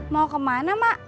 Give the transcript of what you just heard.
mau kemana mak